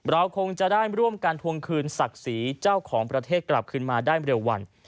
เราคงจะได้ร่วมการทวงคืนศักดิ์ศรีเจ้าของประเทศกลับขึ้นมาได้เร็ววัน